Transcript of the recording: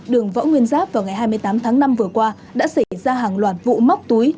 đường võ nguyên giáp vào ngày hai mươi tám tháng năm vừa qua đã xảy ra hàng loạt vụ móc túi